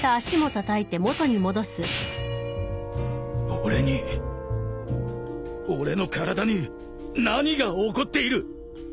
俺に俺の体に何が起こっている！？